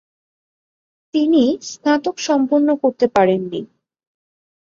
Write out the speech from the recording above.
তিনি স্নাতক সম্পন্ন করতে পারেন নি।